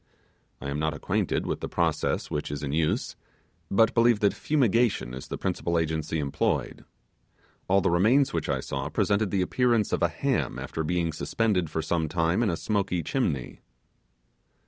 I am not acquainted with the process which is in use, but believe that fumigation is the principal agency employed. All the remains which I saw presented the appearance of a ham after being suspended for some time in a smoky chimney.